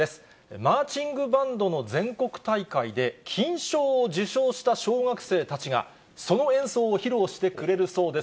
マーチングバンドの全国大会で金賞を受賞した小学生たちがその演奏を披露してくれるそうです。